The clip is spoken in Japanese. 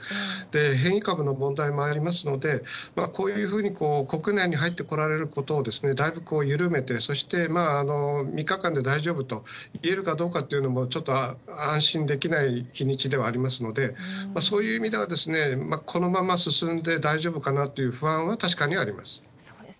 変異株の問題もありますので、こういうふうに国内に入ってこられることをだいぶ緩めて、そして３日間で大丈夫といえるかどうかというのも、ちょっと安心できない日にちではありますので、そういう意味では、このまま進んで大丈夫かなという不安は確かにあります。